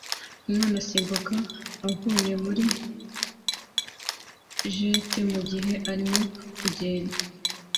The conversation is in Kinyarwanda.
Umwana asimbuka avuye muri jet mugihe arimo kugenda